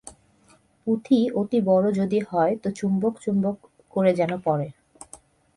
পুঁথি অতি বড় যদি হয় তো চুম্বক চুম্বক করে যেন পড়ে।